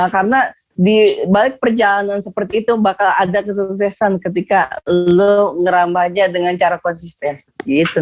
karena di balik perjalanan seperti itu bakal ada kesuksesan ketika lu ngerambahnya dengan cara konsisten gitu